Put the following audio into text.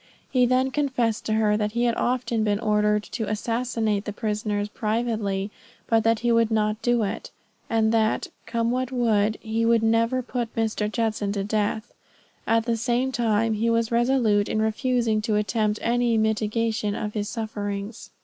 He then confessed to her that he had often been ordered to assassinate the prisoners privately, but that he would not do it; and that, come what would, he would never put Mr. Judson to death. At the same time he was resolute in refusing to attempt any mitigation of his sufferings.